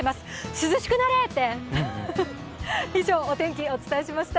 涼しくなれ！って？